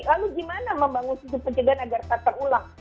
lalu gimana membangun sistem pencegahan agar tak terulang